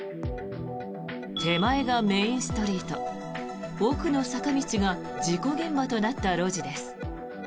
手前がメインストリート奥の坂道が事故現場となった路地です。